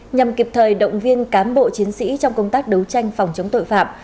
nhằm kịp thời động viên cán bộ chiến sĩ trong công tác đấu tranh phòng chống tội phạm